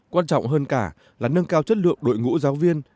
quan trọng hơn cả là nâng cao chất lượng đội ngũ giáo viên